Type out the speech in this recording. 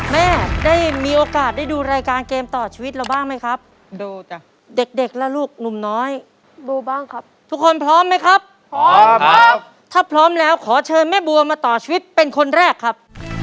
แม่ได้มีโอกาสได้ดูรายการเกมต่อชีวิตเราบ้างไหมครับดูจ้ะเด็กเด็กล่ะลูกหนุ่มน้อยดูบ้างครับทุกคนพร้อมไหมครับพร้อมครับถ้าพร้อมแล้วขอเชิญแม่บัวมาต่อชีวิตเป็นคนแรกครับ